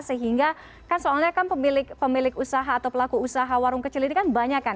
sehingga kan soalnya kan pemilik usaha atau pelaku usaha warung kecil ini kan banyak kan